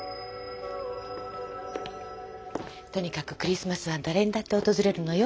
とにかくクリスマスは誰にだって訪れるのよ。